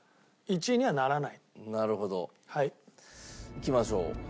いきましょう。